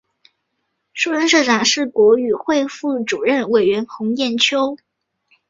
首任社长是国语会副主任委员洪炎秋。